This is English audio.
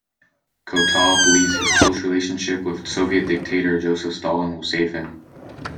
Kotov believes his close relationship with Soviet dictator Joseph Stalin will save him.